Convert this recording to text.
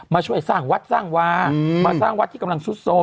มาช่วยสร้างวัดสร้างวามาสร้างวัดที่กำลังซุดโทรม